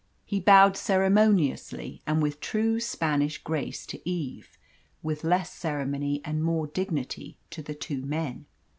He bowed ceremoniously and with true Spanish grace to Eve, with less ceremony and more dignity to the two men.